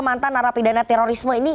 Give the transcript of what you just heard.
mantan arapidana terorisme ini